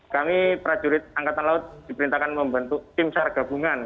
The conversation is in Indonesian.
kami prajurit angkatan laut diperintahkan membantu tim syar gabungan